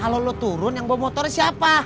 kalau lo turun yang bawa motornya siapa